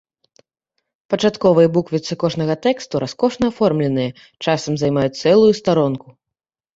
Пачатковыя буквіцы кожнага тэксту раскошна аформленыя, часам займаюць цэлую старонку.